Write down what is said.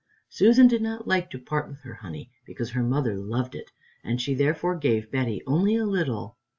Susan did not like to part with her honey, because her mother loved it, and she therefore gave Betty only a little.